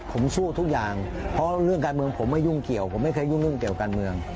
ผมสู้ทุกอย่างเพราะเรื่องการเมืองผมไม่ยุ่งเกี่ยวผมไม่เคยยุ่งเรื่องเกี่ยวการเมือง